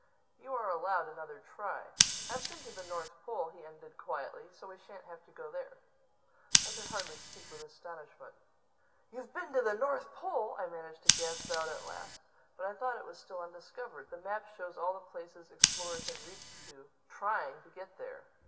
You are allowed another try. I've been to the North Pole," he ended quietly, "so we shan't have to go there." I could hardly speak with astonishment. "You've been to the North pole!" I managed to gasp out at last. "But I thought it was still undiscovered. The map shows all the places explorers have reached to, trying to get there.